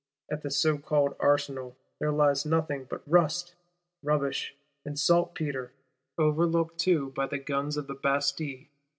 At the so called Arsenal, there lies nothing but rust, rubbish and saltpetre,—overlooked too by the guns of the Bastille.